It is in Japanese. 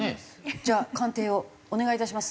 じゃあ鑑定をお願いいたします。